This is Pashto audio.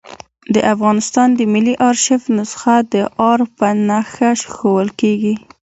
د افغانستان د ملي آرشیف نسخه د آر په نخښه ښوول کېږي.